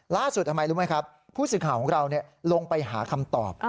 ทำไมรู้ไหมครับผู้สื่อข่าวของเราลงไปหาคำตอบ